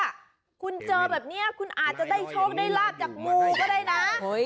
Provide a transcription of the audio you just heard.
อาจจะได้โชคราบชีวิตได้หลาดจากงูก็ได้นะ